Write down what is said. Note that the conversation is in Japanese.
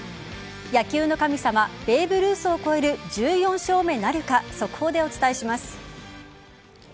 野球の神様ベーブ・ルースを超える１４勝目なるか速報でお伝えします。